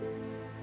oh sign rekan masuk